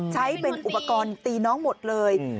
ใช้เป็นอุปกรณ์ตีน้องหมดเลย